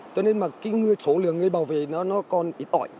cho nên số lượng người bảo vệ nó còn ít ỏi